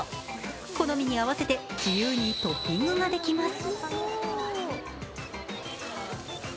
好みに合わせて自由にトッピングができます。